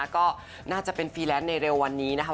ก็น่าจะเป็นฟรีแลนซ์ในเร็ววันนี้นะคะ